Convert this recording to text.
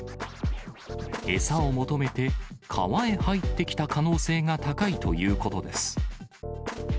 餌を求めて、川へ入ってきた可能性が高いということです。